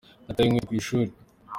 Nataye inkweto ku ishuri.